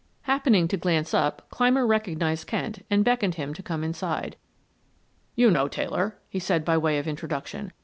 Happening to glance up Clymer recognized Kent and beckoned to him to come inside. "You know Taylor," he said by way of introduction.